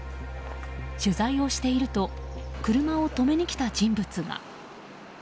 取材をしていると車を止めに来た人物が。